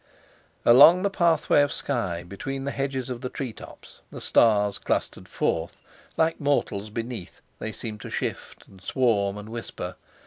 Along the pathway of sky between the hedges of the tree tops the stars clustered forth; like mortals beneath, they seemed to shift and swarm and whisper.